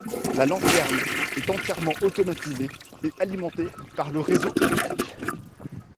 La lanterne est entièrement automatisé et alimenté par le réseau électrique.